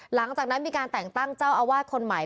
หลังจากนั้นมีการแต่งตั้งเจ้าอาวาสคนใหม่